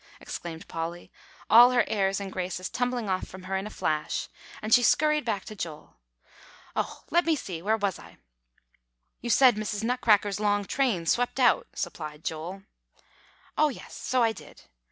exclaimed Polly, all her airs and graces tumbling off from her in a flash, and she skurried back to Joel. "Oh, let me see! where was I?" "You said Mrs. Nutcracker's long train swept out," supplied Joel. "Oh, yes, so I did.